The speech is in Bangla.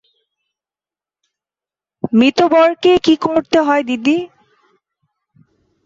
মিতবরকে কী করতে হয় দিদি?